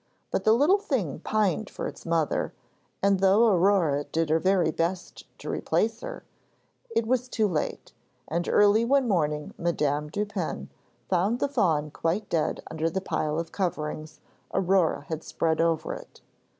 But the little thing pined for its mother, and though Aurore did her very best to replace her, it was too late, and early one morning Madame Dupin found the fawn quite dead under the pile of coverings Aurore had spread over it.